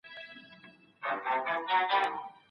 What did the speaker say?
هغې مخکي لا د خپلي کورنۍ له پاره خپلي هيلي قرباني کړي وې.